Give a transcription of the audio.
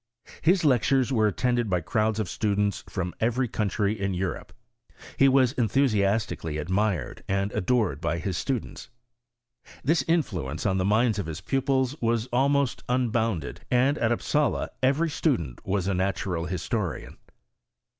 His lectures were attended by crowas of students from every country in Eu rope : he was enthusiastically admired and adored by his students. This influence on the minds of his pupils was almost unbounded ; and at Upsala, every student was a natural historian.